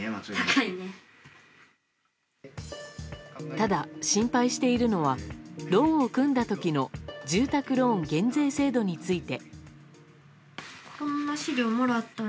ただ、心配しているのはローンを組んだ時の住宅ローン減税制度について。